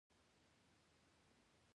د ګوجرانو سیمې په غرونو کې دي